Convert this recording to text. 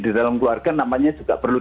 di dalam keluarga namanya juga perlu